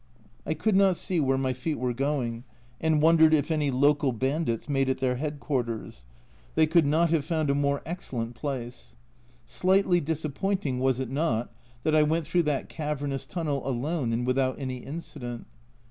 I could not see where my feet were going, and wondered if any local bandits made it their headquarters ; they could not have 132 A Journal from Japan found a more excellent place. Slightly disappointing, was it not, that I went through that cavernous tunnel alone and without any incident?